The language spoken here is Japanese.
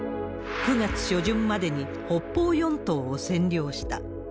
９月初旬までに北方四島を占領した。